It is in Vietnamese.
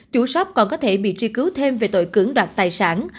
chủ shop còn có thể bị truy cứu thêm về tội cưỡng đoạt tài sản